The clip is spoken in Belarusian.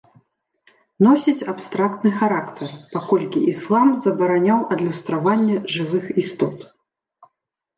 Носіць абстрактны характар, паколькі іслам забараняў адлюстраванне жывых істот.